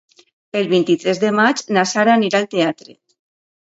El vint-i-tres de maig na Sara anirà al teatre.